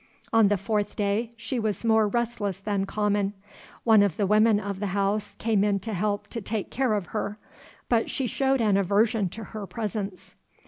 On the fourth day she was more restless than common. One of the women of the house came in to help to take care of her; but she showed an aversion to her presence.